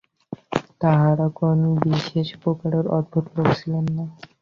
তাঁহারা কোন বিশেষ-প্রকারের অদ্ভুত লোক ছিলেন না।